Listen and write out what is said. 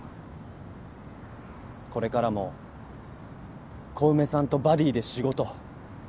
これからも小梅さんとバディーで仕事したいです。